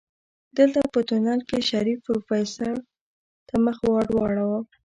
دلته په تونل کې شريف پروفيسر ته مخ واړوه.